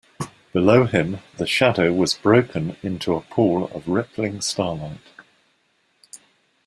Below him the shadow was broken into a pool of rippling starlight.